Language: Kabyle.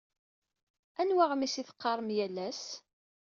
Anwa aɣmis i teqqaṛem yal ass?